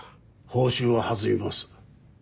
報酬は弾みます。